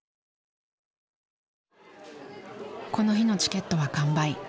この日のチケットは完売。